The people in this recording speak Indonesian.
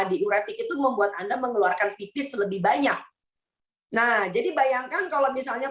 diuretik itu membuat anda mengeluarkan tipis lebih banyak nah jadi bayangkan kalau misalnya